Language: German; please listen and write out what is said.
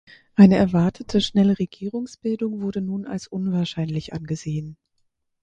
Eine erwartete schnelle Regierungsbildung wurde nun als unwahrscheinlich angesehen.